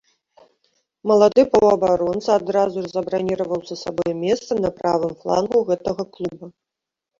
Малады паўабаронца адразу ж забраніраваў за сабой месца на правым флангу гэтага клуба.